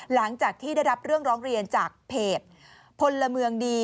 หลังจากที่ได้รับเรื่องร้องเรียนจากเพจพลเมืองดี